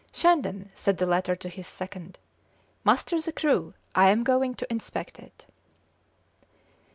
"Shandon!" said the latter to his second, "muster the crew; I am going to inspect it!"